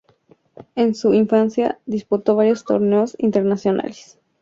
En su infancia, disputó varios torneos internacionales.